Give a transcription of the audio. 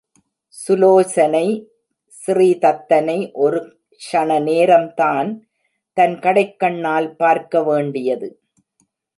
சுலோசனை ஸ்ரீதத்தனை ஒரு க்ஷணநேரம்தான் தன் கடைக்கண்ணால் பார்க்கவேண்டியது.